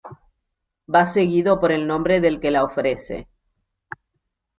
Va seguido por el nombre del que la ofrece.